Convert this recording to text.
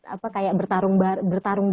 apa kayak bertarung bertarung gitu